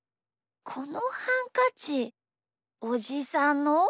このハンカチおじさんの？